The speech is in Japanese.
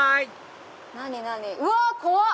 うわ怖っ！